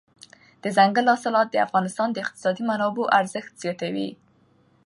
دځنګل حاصلات د افغانستان د اقتصادي منابعو ارزښت زیاتوي.